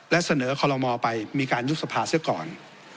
และเสนอคอลโลมอลไปมีการยุบสภาเสียก่อน